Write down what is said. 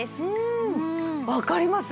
わかります。